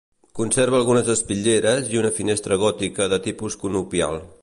Conserva algunes espitlleres i una finestra gòtica de tipus conopial.